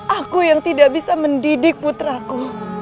aku yang tidak bisa mendidik putraku